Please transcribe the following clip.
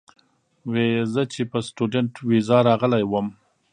وې ئې زۀ چې پۀ سټوډنټ ويزا راغلی ووم